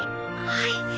はい。